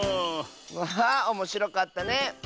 わあおもしろかったね！